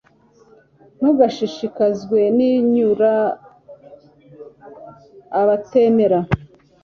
ntugashishikazwe n'ibinyura abatemera